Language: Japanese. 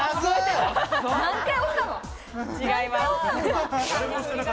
違います。